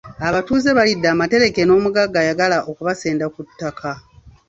Abatuuze balidde matereke n’omugagga ayagala okubasenda ku ttaka.